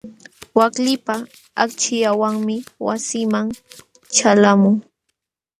Waklipa akchillanwanmi wasiiman ćhalqamuu.